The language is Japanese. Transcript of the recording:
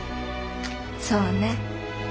そうね。